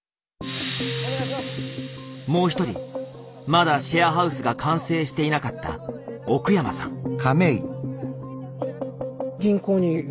もう一人まだシェアハウスが完成していなかった奥山さん。